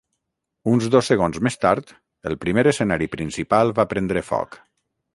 Uns dos segons més tard, el primer escenari principal va prendre foc.